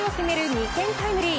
２点タイムリー。